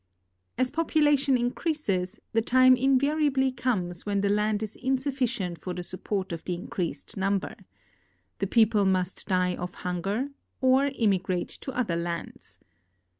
As population increases, the time invariably comes when the land is insufficient for the support of the increased number. The people must die of hunger or immigrate to other lands.